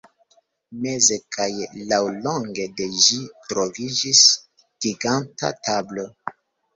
Meze kaj laŭlonge de ĝi troviĝis giganta tablo.